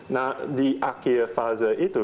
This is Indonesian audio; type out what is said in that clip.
nah di akhir fase itu